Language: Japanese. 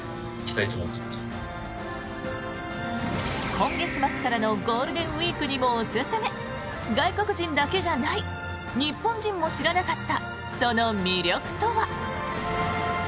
今月末からのゴールデンウィークにもおすすめ外国人だけじゃない日本人も知らなかったその魅力とは。